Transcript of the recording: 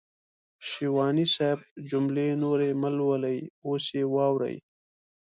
شېواني صاحب جملې نورې مهلولئ اوس يې واورئ.